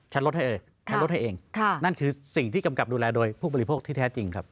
ลดให้เลยฉันลดให้เองนั่นคือสิ่งที่กำกับดูแลโดยผู้บริโภคที่แท้จริงครับ